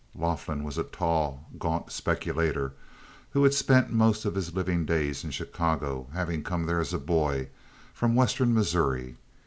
Laughlin was a tall, gaunt speculator who had spent most of his living days in Chicago, having come there as a boy from western Missouri.